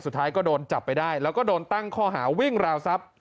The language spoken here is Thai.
สุดท้ายก็โดนจับไปได้แล้วก็โดนตั้งข้อหาวิ่งราวทรัพย์